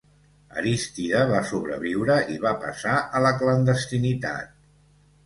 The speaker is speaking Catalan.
Aristide va sobreviure i va passar a la clandestinitat.